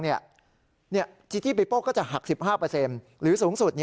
จีจี้บิโป้ก็จะหัก๑๕หรือสูงสุด